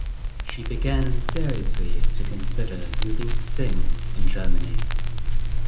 She began seriously to consider moving to sing in Germany.